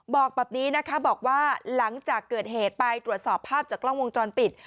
บอกแบบนี้นะคะบอกว่าหลังจากเกิดเหตุไปตรวจสอบภาพจากกล้องวงจรปิด